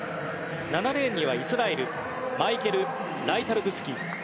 ７レーンにはイスラエルマイケル・ライタロブスキー。